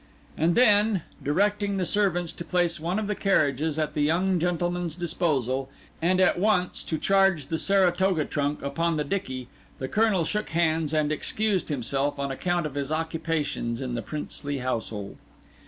And then, directing the servants to place one of the carriages at the young gentleman's disposal, and at once to charge the Saratoga trunk upon the dickey, the Colonel shook hands and excused himself on account of his occupations in the princely household.